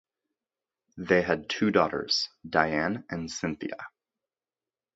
They had two daughters, Diane and Cynthia.